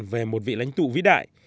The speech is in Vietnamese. về một vị lãnh tụ vĩ đại